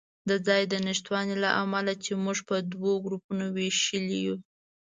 د ځای د نشتوالي له امله یې موږ په دوو ګروپونو وېشلي یو.